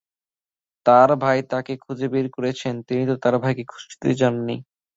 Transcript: তাঁর ভাই তাঁকে খুঁজে বের করেছেন, তিনি তো তাঁর ভাইকে খুঁজতে যাননি।